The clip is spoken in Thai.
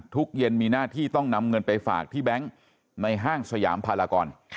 เย็นมีหน้าที่ต้องนำเงินไปฝากที่แบงค์ในห้างสยามพารากร